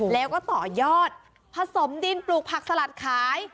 แล้วก็ต่อยอดผสมดินปลูกผักสลัดขาย